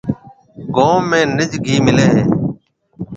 گوم ۾ نج گھِي ملي هيَ۔